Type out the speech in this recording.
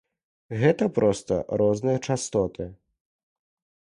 Гэта проста розныя частоты.